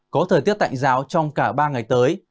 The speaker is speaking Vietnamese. có thời tiết tạnh giáo trong cả ba ngày tới